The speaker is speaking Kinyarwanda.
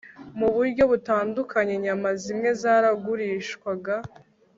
mu buryo butandukanye inyama zimwe zaragurishwaga